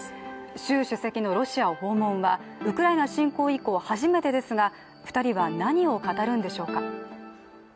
習主席のロシア訪問はウクライナ侵攻以降初めてですが２人は何を語るんでしょうか。